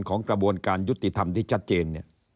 ของกระบวนการยุติธรรมที่ชัดเจน